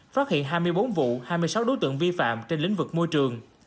phát hiện hai mươi bốn vụ hai mươi sáu đối tượng vi phạm trên lĩnh vực môi trường